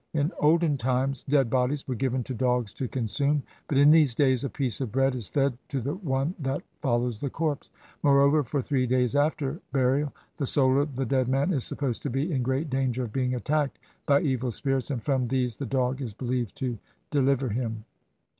In olden times dead bodies were given to dogs to consume; but in these days a piece of bread is fed to the one that fol lows the corpse. Moreover, for three days after burial the soul of the dead man is supposed to be in great danger of being attacked by evil spirits, and from these the dog is believed to deliver him.